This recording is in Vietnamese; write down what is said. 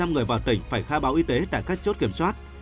một trăm linh người vào tỉnh phải khai báo y tế tại các chốt kiểm soát